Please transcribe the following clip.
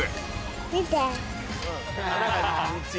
見て！